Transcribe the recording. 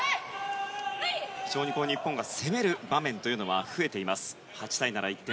非常に日本が攻める場面が増えています。